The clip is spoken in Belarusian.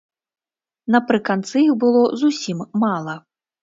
Напрыканцы іх было зусім мала.